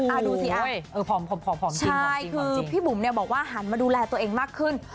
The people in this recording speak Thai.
ดูสิผอมจริงใช่คือพี่บุ๋มเนี่ยบอกว่าหันมาดูแลตัวเองมากขึ้น